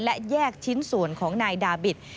และแยกชิ้นส่วนของนายดาบิต